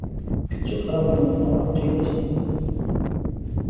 কিচ্ছু খারাপ হয় নি, হাওয়া ঠিক আছে।